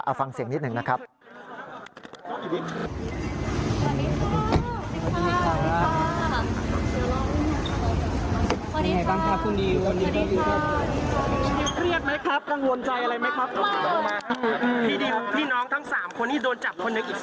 เอาฟังเสียงนิดหนึ่งนะครับ